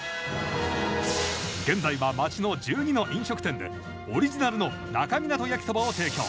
現在は街の１２の飲食店でオリジナルの那珂湊焼きそばを提供。